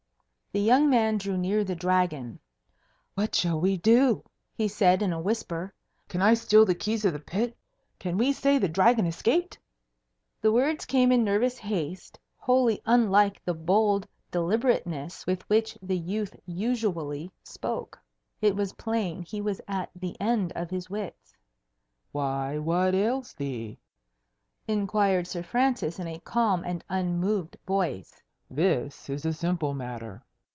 The young man drew near the Dragon. "What shall we do?" he said in a whisper. "Can I steal the keys of the pit? Can we say the Dragon escaped?" The words came in nervous haste, wholly unlike the bold deliberateness with which the youth usually spoke. It was plain he was at the end of his wits. "Why, what ails thee?" inquired Sir Francis in a calm and unmoved voice. "This is a simple matter."